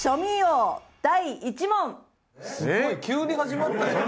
すごい急に始まったやん。